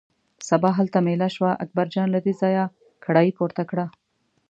سبا هلته مېله شوه، اکبرجان له دې ځایه کړایی پورته کړه.